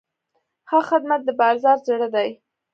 ښه خدمت د بازار زړه دی.